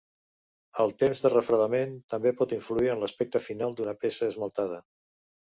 El temps de refredament també pot influir en l'aspecte final d'una peça esmaltada.